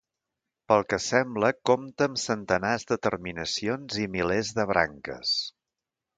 Pel que sembla compta amb centenars de terminacions i milers de branques.